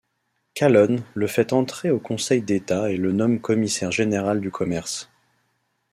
Calonne le fait entrer au Conseil d'État et le nomme commissaire général du Commerce.